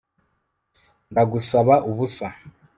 Ndagusaba ubusa